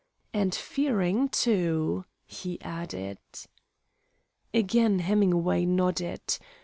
"And Fearing, too," he added. Again Hemingway nodded.